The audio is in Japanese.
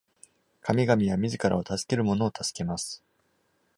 神々は自らを助ける者を助けます。